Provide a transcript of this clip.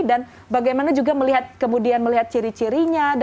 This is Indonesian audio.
dan bagaimana juga melihat kemudian melihat ciri ciri